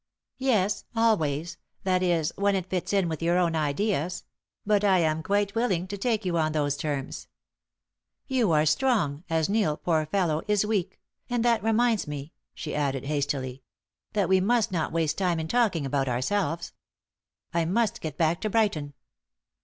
"Yes, always, that is when it fits in with your own ideas; but I am quite willing to take you on those terms. You are as strong as Neil, poor fellow! is weak; and that reminds me," she added, hastily, "that we must not waste time in talking about ourselves. I must get back to Brighton."